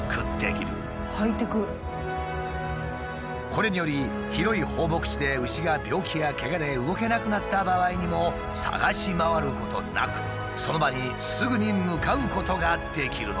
これにより広い放牧地で牛が病気やケガで動けなくなった場合にも捜し回ることなくその場にすぐに向かうことができるのだ。